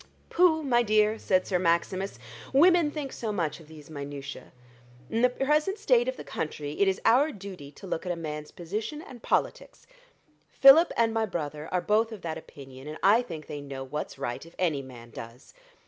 "Pooh, my dear," said Sir Maximus, "women think so much of those minutiæ. In the present state of the country it is our duty to look at a man's position and politics. Philip and my brother are both of that opinion, and I think they know what's right, if any man does.